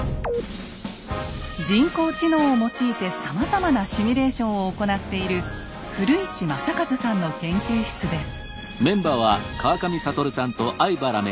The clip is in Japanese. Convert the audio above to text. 人工知能を用いてさまざまなシミュレーションを行っている古市昌一さんの研究室です。